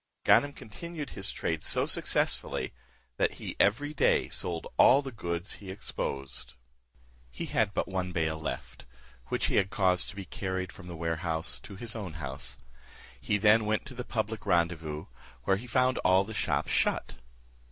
Ganem continued his trade so successfully, that he every day sold all the goods he exposed. He had but one bale left, which he had caused to be carried from the warehouse to his own house; he then went to the public rendezvous, where he found all the shops shut.